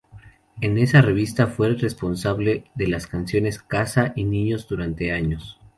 En esa revista fue responsable de las secciones "Casa" y "Niños" durante años.